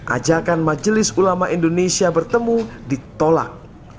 ajakan majelis ulama indonesia bertemu ditolak